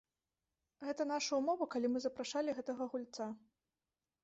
Гэта наша ўмова, калі мы запрашалі гэтага гульца.